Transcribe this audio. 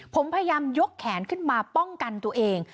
ผมพยายามยกแขนขึ้นมาป้องกันตัวเอง